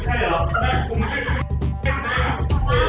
สวัสดีครับวันนี้เราจะกลับมาเมื่อไหร่